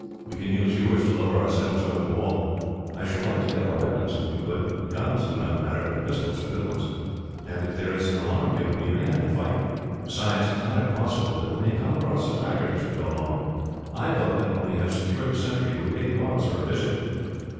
We can use yours to lower ourselves over the wall. I should like to get our weapons, if we could. The guns do not matter, but the pistols are good ones. And, if there is an alarm given, we may have to fight. Besides, it is not impossible that we may come across a tiger, as we go along. I vote that, when we have secured the sentry, we pay the officer a visit."